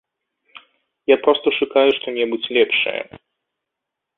Я проста шукаю што-небудзь лепшае.